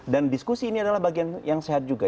dan diskusi ini adalah bagian yang sehat juga